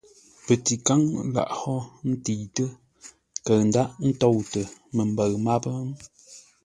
Pətíkáŋ laghʼ hó ntəitə́, kəʉ ndághʼ ntóutə məmbəʉ máp ?